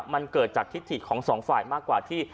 มันเกิดจากทิศถิของสองฝ่ายมากกว่าที่